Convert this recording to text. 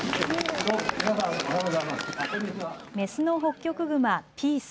メスのホッキョクグマ、ピース。